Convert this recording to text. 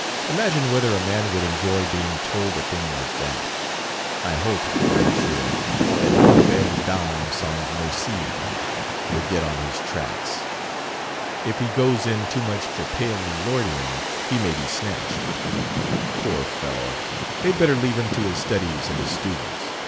Imagine whether a man would enjoy being told a thing like that. I hope, I'm sure, that no 'Belle Dame sans Merci' will get on his tracks!" "If he goes in too much for 'palely loitering' he may be snatched." "Poor fellow! They'd better leave him to his studies and his students.